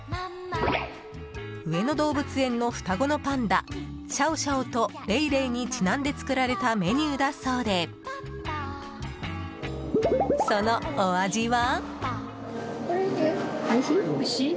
上野動物園の双子のパンダシャオシャオとレイレイにちなんで作られたメニューだそうでそのお味は？